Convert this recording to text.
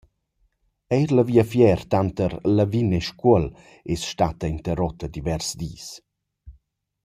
Eir la viafier tanter Lavin e Scuol es statta interuotta divers dis.